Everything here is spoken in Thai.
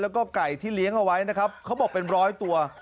แล้วก็ไก่ที่เลี้ยงเอาไว้นะครับเขาบอกเป็นร้อยตัว